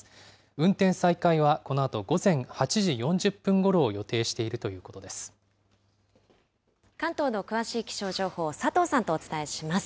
運転再開はこのあと午前８時４０分ごろを予定しているということ関東の詳しい気象情報、佐藤さんとお伝えします。